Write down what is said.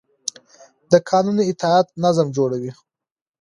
د قانون اطاعت نظم جوړوي